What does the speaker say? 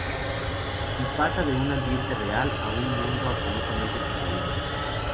Y pasa de un ambiente real a un mundo absolutamente surrealista.